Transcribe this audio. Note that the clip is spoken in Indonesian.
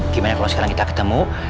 gimana kalau sekarang kita ketemu